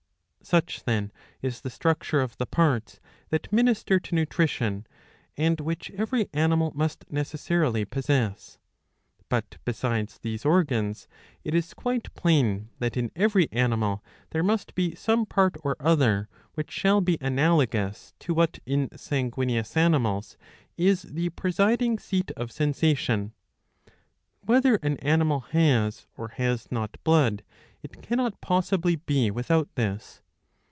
Such then is the structure of the parts that minister to nutrition, and which every animal must necessarily possess. But besides these organs it is quite plain that in every animal there must be some part or other which shall be analogous to what in sanguineous animals is the presiding seat of sensation. Whether an animal has or has not blood, it cannot possibly be without this.